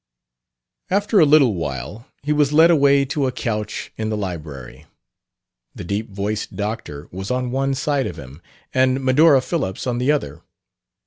After a little while he was led away to a couch in the library. The deep voiced doctor was on one side of him and Medora Phillips on the other.